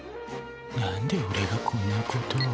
何でおれがこんなことを。